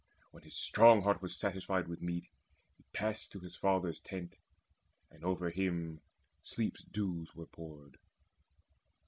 When his strong heart was satisfied with meat, He passed to his father's tent, and over him Sleep's dews were poured.